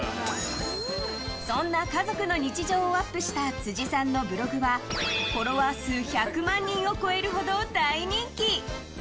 そんな家族の日常をアップした辻さんのブログはフォロワー数１００万人を超えるほど大人気。